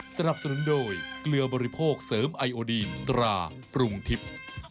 สนับสนุนโดยเกลือบริโภคเสริมไอโอดีนตราปรุงทิพย์